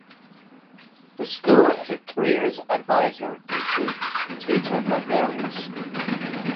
The school has a Careers Adviser and two teacher-librarians.